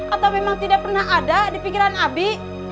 atau memang tidak pernah ada di pikiran abi